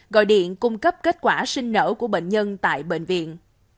gọi điện cung cấp kết quả sinh nở của bệnh nhân tại bệnh viện